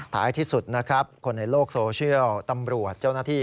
ท้ายที่สุดนะครับคนในโลกโซเชียลตำรวจเจ้าหน้าที่